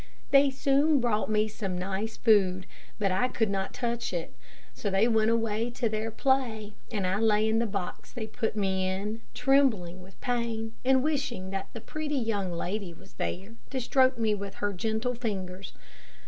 They soon brought me some nice food, but I could not touch it; so they went away to their play, and I lay in the box they put me in, trembling with pain, and wishing that the pretty young lady was there, to stroke me with her gentle fingers.